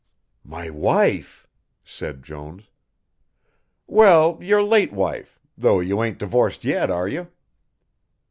"My wife!" said Jones. "Well, your late wife, though you ain't divorced yet, are you?"